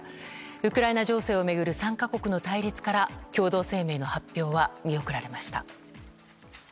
ウクライナ情勢を巡る３か国の対立から共同声明の発表は見送られました。